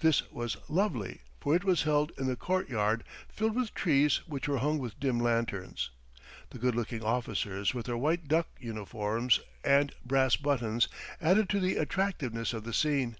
This was lovely, for it was held in the courtyard filled with trees which were hung with dim lanterns. The good looking officers with their white duck uniforms and brass buttons added to the attractiveness of the scene.